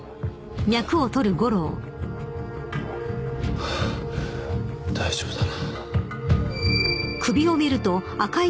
ハァ大丈夫だな。